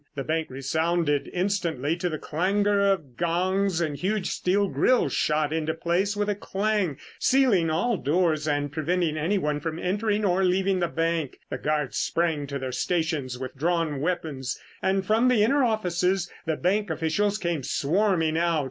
The bank resounded instantly to the clangor of gongs and huge steel grills shot into place with a clang, sealing all doors and preventing anyone from entering or leaving the bank. The guards sprang to their stations with drawn weapons and from the inner offices the bank officials came swarming out.